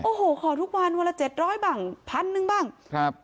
โอ้โหขอทุกวันวันละเจ็ดร้อยบ้างพันหนึ่งบ้างครับ